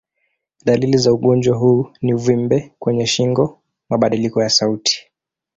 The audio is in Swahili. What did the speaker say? Dalili za ugonjwa huu ni uvimbe kwenye shingo, mabadiliko ya sauti.